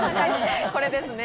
これですね。